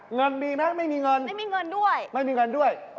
เงินมีไหมไม่มีเงินไม่มีเงินด้วยไม่มีเงินด้วย